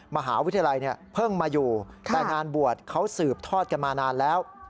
มหาวิทยาลัยเนี่ยเพิ่งมาอยู่แต่งานบวชเขาสืบทอดกันมานานแล้ว